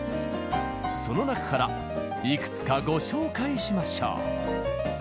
その中からいくつかご紹介しましょう！